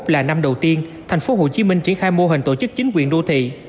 hai nghìn hai mươi một là năm đầu tiên tp hcm triển khai mô hình tổ chức chính quyền đô thị